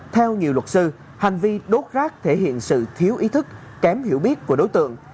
theo nhiều luật sư hành vi đốt rác thể hiện sự thiếu ý thức kém hiểu biết của đối tượng